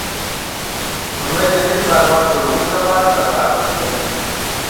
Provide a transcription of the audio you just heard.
لومړی د نوي کاروبار جوړولو لپاره دربار ته تللی و